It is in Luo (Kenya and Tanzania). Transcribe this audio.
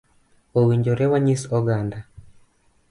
Owinjore wanyis oganda